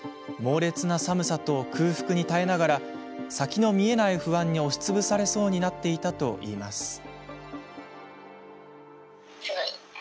猛烈な寒さと、空腹に耐えながら先の見えない不安に押し潰されそうになっていたといいます。